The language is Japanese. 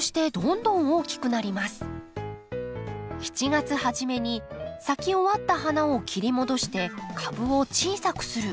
７月初めに咲き終わった花を切り戻して株を小さくする。